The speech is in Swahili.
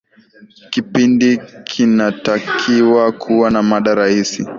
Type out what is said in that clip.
kipindi kinatakiwa kuwa na mada rahisi